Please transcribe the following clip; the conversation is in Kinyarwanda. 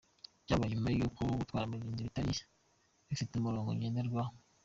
Byabaye nyuma y’uko gutwara abagenzi bitari bifite umurongo ngenderwaho.